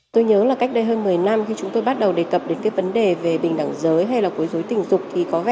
tôi nhớ là cách đây hơn một mươi năm khi chúng tôi bắt đầu đề cập đến cái vấn đề về bình đẳng giới hay là cuối rối tình dục